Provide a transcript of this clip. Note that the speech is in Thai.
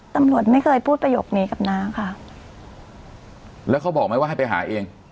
ตำรวจไม่เคยพูดประโยคนี้กับน้าค่ะแล้วเขาบอกไหมว่าให้ไปหาเอง